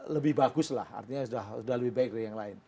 lebih bagus lah artinya sudah lebih baik dari yang lain